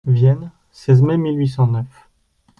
Vienne, seize mai mille huit cent neuf.